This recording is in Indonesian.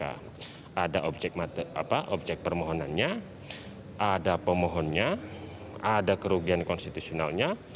ada objek permohonannya ada pemohonnya ada kerugian konstitusionalnya